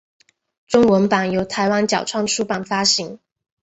中文版由台湾角川出版发行。